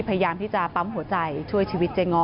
พยายามที่จะปั๊มหัวใจช่วยชีวิตเจ๊ง้อ